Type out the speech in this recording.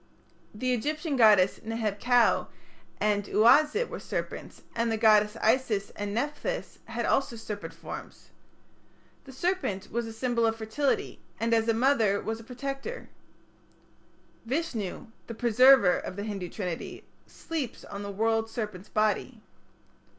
The Egyptian goddesses Neheb kau and Uazit were serpents, and the goddesses Isis and Nepthys had also serpent forms. The serpent was a symbol of fertility, and as a mother was a protector. Vishnu, the Preserver of the Hindu Trinity, sleeps on the world serpent's body.